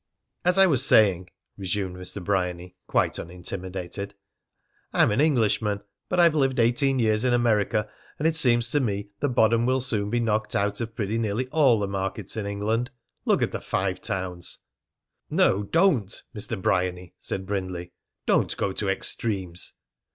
"As I was saying," resumed Mr. Bryany, quite unintimidated, "I'm an Englishman. But I've lived eighteen years in America, and it seems to me the bottom will soon be knocked out of pretty nearly all the markets in England. Look at the Five Towns!" "No, don't, Mr. Bryany!" said Brindley. "Don't go to extremes."